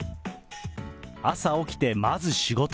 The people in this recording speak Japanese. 朝起きて、まず仕事。